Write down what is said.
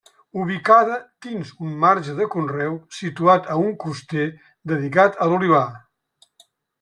Ubicada dins un marge de conreu situat a un coster dedicat a l'olivar.